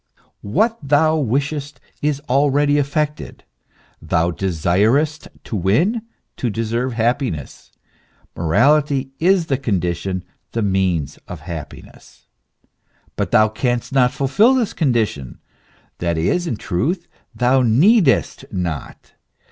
What thou wishest is already effected. Thou desirest to win, to deserve happiness. Morality is the condition, the means of happiness. But thou canst not fulfil this condition ; that is, in truth, thou needest not.